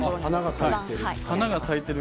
花が咲いている。